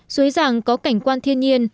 suối giàng có cảnh quan thiên nhiên